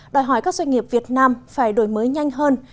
đòi hỏi các doanh nghiệp việt nam phải đổi mới nhanh hơn